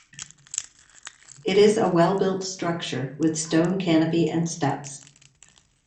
It is a well-built structure, with stone canopy and steps.